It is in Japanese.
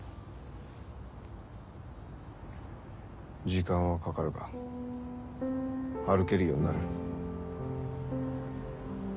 時間はかかるが歩けるようになる。